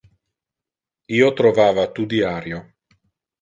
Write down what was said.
Io trovava tu diario.